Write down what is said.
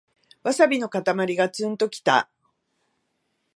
ワサビのかたまりがツンときた